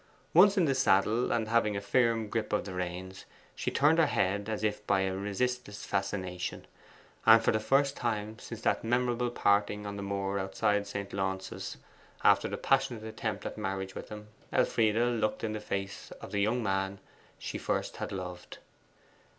Once in the saddle, and having a firm grip of the reins, she turned her head as if by a resistless fascination, and for the first time since that memorable parting on the moor outside St. Launce's after the passionate attempt at marriage with him, Elfride looked in the face of the young man she first had loved.